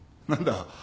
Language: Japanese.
何だ？